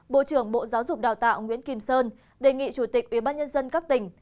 bộ trưởng bộ giáo dục đào tạo nguyễn kim sơn đề nghị chủ tịch ubnd các tỉnh